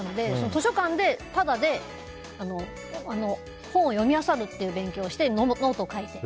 図書館でタダで本を読みあさるという勉強をしてノートを書いて。